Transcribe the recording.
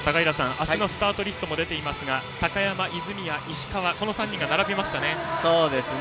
明日のスタートリストも出ていますが高山、泉谷、石川この３人が並びましたね。